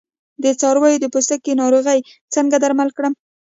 د څارویو د پوستکي ناروغۍ څنګه درمل کړم؟